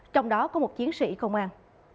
trong đó có một chiến sĩ công an